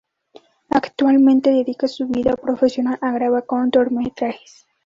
Actualmente dedica su vida profesional a grabar cortometrajes.